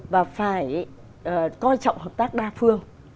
và phải coi trọng hợp tác đa phương